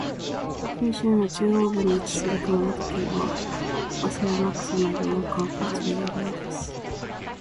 九州の中央部に位置する熊本県は、阿蘇や天草などの観光地で有名です。